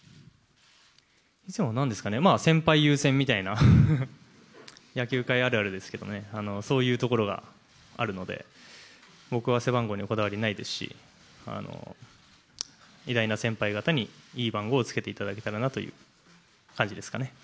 なんでしょうかね、先輩優先みたいな、野球界あるあるですけれどもね、そういうところがあるので、僕は背番号にこだわりないですし、偉大な先輩方に、いい番号をつけていただけたらなという感じですかね。